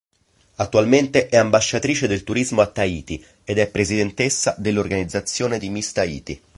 Attualmente è ambasciatrice del turismo a Tahiti ed è presidentessa dell'organizzazione di Miss Tahiti.